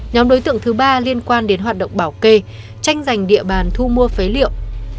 nhóm đối tượng thứ ba liên quan đến hoạt động bảo kê tranh giành địa bàn thu mua phế liệu